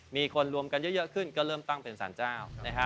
มีคนรวมกันเยอะขึ้นก็เริ่มตั้งเป็นสารเจ้านะฮะ